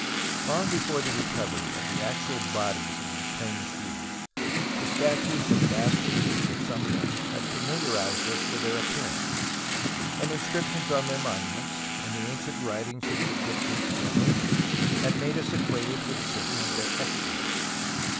Long before the recovery of the actual bodies of these famous rulers the statues and bas reliefs of some of them had familiarized us with their appearance ; and inscriptions on their monuments and the ancient writings of the Egyptians and their neighbours had made us acquainted with certain of their exploits.